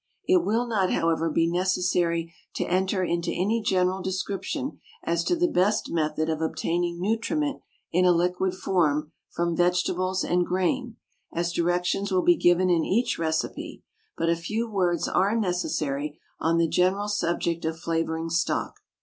It will not, however, be necessary to enter into any general description as to the best method of obtaining nutriment in a liquid form from vegetables and grain, as directions will be given in each recipe, but a few words are necessary on the general subject of flavouring stock.